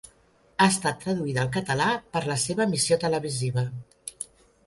Ha estat traduïda al català per la seva emissió televisiva.